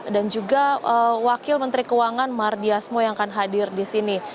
dan juga wakil menteri keuangan mar diasmo yang akan hadir disini